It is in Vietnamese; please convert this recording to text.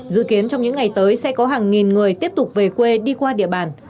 dự kiến trong những ngày tới sẽ có hàng nghìn người tiếp tục về quê đi qua địa bàn